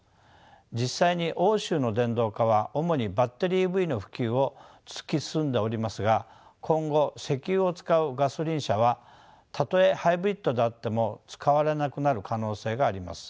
実際に欧州の電動化は主にバッテリーＥＶの普及を突き進んでおりますが今後石油を使うガソリン車はたとえハイブリッドであっても使われなくなる可能性があります。